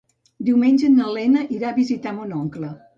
Diumenge na Lena irà a visitar mon oncle.